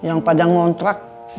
yang pada ngontrak gak ada kekeluargaannya